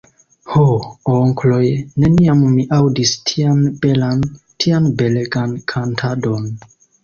Ho, onkloj, neniam mi aŭdis tian belan, tian belegan kantadon.